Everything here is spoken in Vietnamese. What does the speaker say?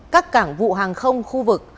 các cảng vụ hàng không khu vực